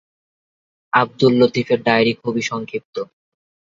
আবদুল লতীফের ডায়েরি খুবই সংক্ষিপ্ত।